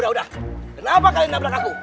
ya udah kenapa kalian nabrak aku